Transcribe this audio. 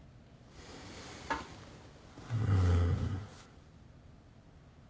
うん。